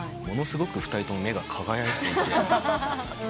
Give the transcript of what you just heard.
ものすごく２人とも目が輝いていて。